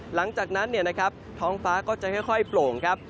หลังจากนั้นท้องฟ้าก็จะค่อยโปร่งครับ